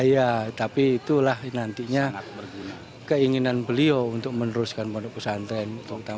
ya tapi itulah nantinya keinginan beliau untuk meneruskan pondok pesantren